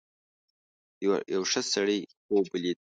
یو ښه سړي خوب ولید.